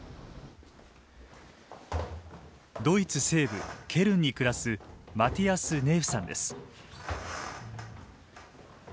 ドイツ西部ケルンに暮らすマティアス・ネーフさんです。